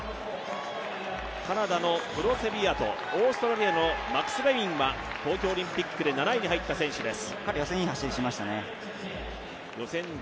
カナダのプロセビアト、オーストラリアのマクスウェインは東京オリンピックで７位に入った選手です。